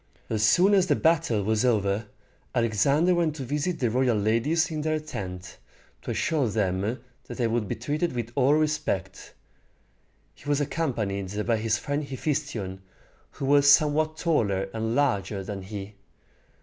As soon as the battle was over, Alexander went to visit the royal ladies in their tent, to assure them that they would be treated with all respect. He was accompanied by his friend Hephæstion, who was somewhat taller and larger than he.